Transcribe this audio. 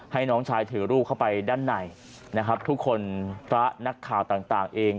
ให้น้องชายถือรูปเข้าไปด้านในนะครับทุกคนพระนักข่าวต่างเอง